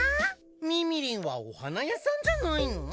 みみりんはお花屋さんじゃないの？